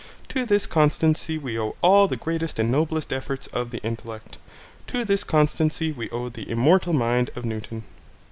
To this constancy we owe all the greatest and noblest efforts of intellect. To this constancy we owe the immortal mind of a Newton.